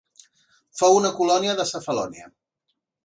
Fou una colònia de Cefalònia.